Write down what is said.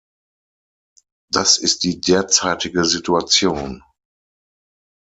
Das ist die derzeitige Situation.